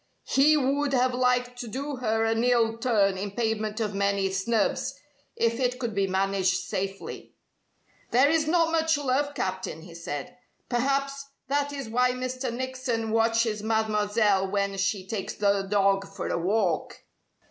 He would have liked to do her an ill turn in payment of many snubs, if it could be managed safely. "There is not much love, Captain," he said. "Perhaps that is why Mr. Nickson watches Mademoiselle when she takes the dog for a walk."